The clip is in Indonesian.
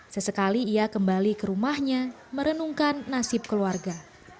sesekali ia kembali ke rumahnya merenungkan nasib keluarga